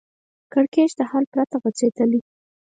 کړکېچ د حل پرته غځېدلی